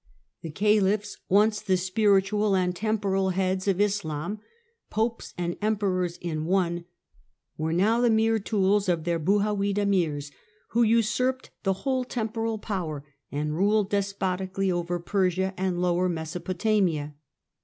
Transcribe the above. The Caliphs, once the spiritual and temporal heads of Islam, Popes and Emperors in one, were now the mere tools of their Buhawid emirs, who usurped the whole temporal power, and ruled despoti cally over Persia and Lower Mesopotamia.